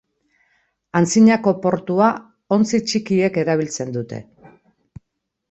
Antzinako portua ontzi txikiek erabiltzen dute.